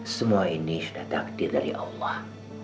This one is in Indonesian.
semua ini sudah takdir dari allah